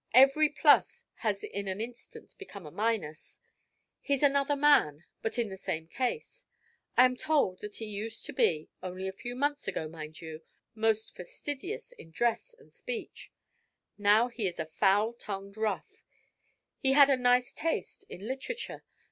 Every plus has in an instant become a minus. He's another man, but in the same case. I am told that he used to be (only a few months ago, mind you) most fastidious in dress and speech. Now he is a foul tongued rough! He had a nice taste in literature.